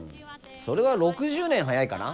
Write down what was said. それは６０年早いかな。